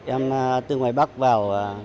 em từ ngoài bắc vào